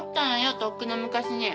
とっくの昔に。